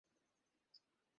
চা খাবেন না?